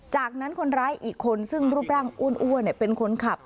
จากนั้นคนร้ายอีกคนซึ่งรูปร่างอ้วนเป็นคนขับ